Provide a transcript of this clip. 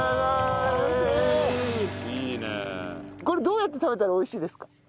これどうやって食べたら美味しいですか？